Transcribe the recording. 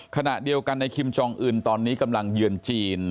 ขณะเดียวกันในคิมจองอื่นตอนนี้กำลังเยือนจีน